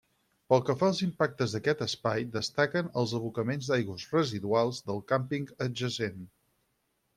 Pel que fa als impactes d'aquest espai, destaquen els abocaments d'aigües residuals del càmping adjacent.